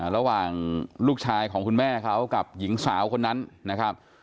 ระหว่างลูกชายของคุณแม่เขากับหญิงสาวคนนั้นนะครับ